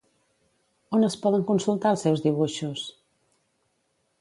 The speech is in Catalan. On es poden consultar els seus dibuixos?